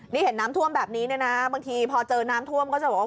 นี่เห็นน้ำท่วมแบบนี้เนี่ยนะบางทีพอเจอน้ำท่วมก็จะบอกว่า